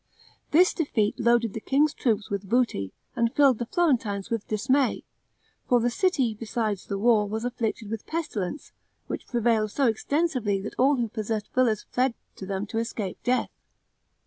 This defeat loaded the king's troops with booty, and filled the Florentines with dismay; for the city, besides the war, was afflicted with pestilence, which prevailed so extensively, that all who possessed villas fled to them to escape death.